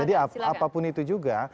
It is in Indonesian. jadi apapun itu juga